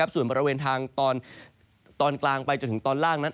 ส่วนบริเวณทางตอนกลางไปจนถึงตอนล่างนั้น